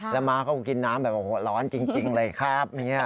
แล้วม้าเขาก็กินน้ำแบบโอ้โหร้อนจริงเลยครับ